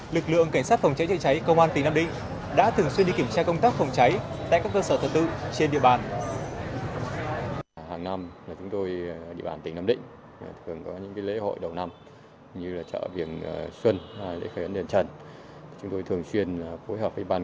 lực lượng cảnh sát phòng cháy chạy cháy công an tỉnh nam định đã thường xuyên đi kiểm tra công tác phòng cháy tại các cơ sở thờ tự trên địa bàn